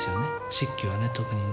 漆器はね特にね。